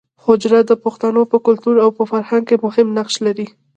حجره د پښتانو په کلتور او فرهنګ کې مهم نقش لري